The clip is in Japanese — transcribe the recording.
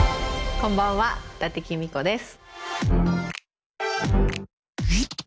こんばんは伊達公子です。